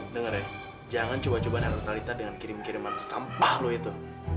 daripada aku bete mending aku nyamperin si geblek itu